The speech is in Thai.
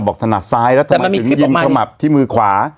ถนัดซ้ายแล้วทำไมถึงยิงขมับที่มือขวา